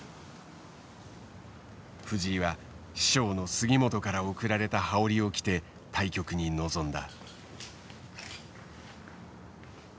藤井は師匠の杉本から贈られた羽織を着て対局に臨んだ。